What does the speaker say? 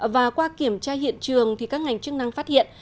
và qua kiểm tra hiện trường thì các ngành chức năng phát hiện